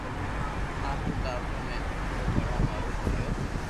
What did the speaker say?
آپري ٽاٻرو ني جوگھڻو ھآرون ھويو